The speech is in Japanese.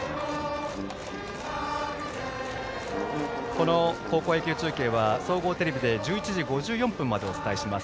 この高校野球中継は総合テレビで１１時５４分までお伝えします。